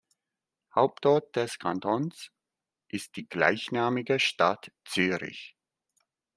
Hauptort des Kantons ist die gleichnamige Stadt Zürich.